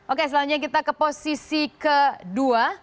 oke selanjutnya kita ke posisi kedua